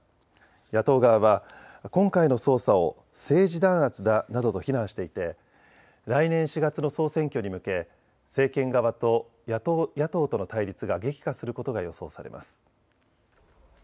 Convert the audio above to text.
野党側は今回の捜査を政治弾圧だなどと非難していて来年４月の総選挙に向け政権側と野党との対立が激化することが予想されます。